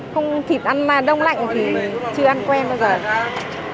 không thịt ăn đông lạnh thì chưa ăn quen bao giờ